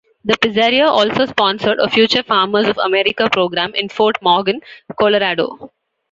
The pizzeria also sponsored a Future Farmers of America program in Fort Morgan, Colorado.